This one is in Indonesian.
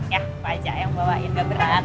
ya apa aja yang bawain gak berat